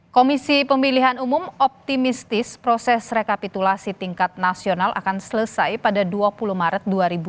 komisi pemilihan umum optimistis proses rekapitulasi tingkat nasional akan selesai pada dua puluh maret dua ribu dua puluh